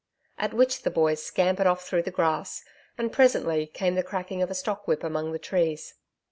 ] At which the boys scampered off through the grass, and presently came the cracking of a stock whip among the trees.